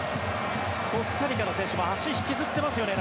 コスタリカの選手も足を引きずっていますよね